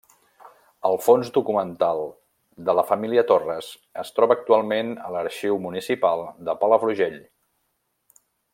El fons documental de la família Torres es troba actualment a l'Arxiu Municipal de Palafrugell.